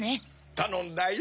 たのんだよ。